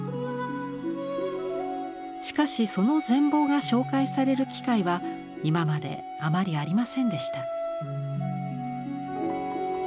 しかしその全貌が紹介される機会は今まであまりありませんでした。